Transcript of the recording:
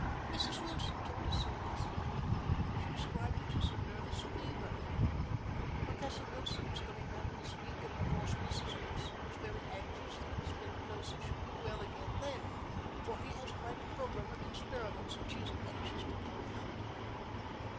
"Mrs. Wilson told us so last night. She described it as a nervous fever. Professor Wilson is coming back this week, and of course Mrs. Wilson is very anxious that Miss Penclosa should be well again then, for he has quite a programme of experiments which he is anxious to carry out."